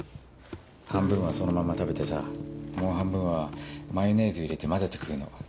半分はそのまま食べてさもう半分はマヨネーズ入れて交ぜて食うの。